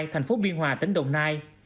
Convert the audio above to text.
tp biên hòa tỉnh đồng nai